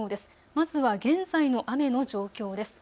まずは現在の雨の状況です。